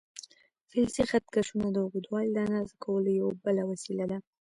فلزي خط کشونه د اوږدوالي د اندازه کولو یوه بله وسیله ده.